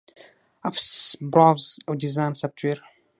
آفس، براوزر، او ډیزاین سافټویر